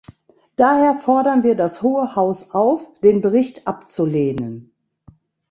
Daher fordern wir das Hohe Haus auf, den Bericht abzulehnen.